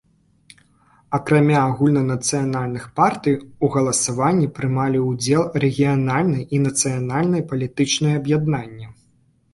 Акрамя агульнанацыянальных партый, у галасаванні прымалі ўдзел рэгіянальныя і нацыянальныя палітычныя аб'яднанні.